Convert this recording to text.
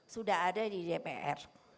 sudah ada di dpr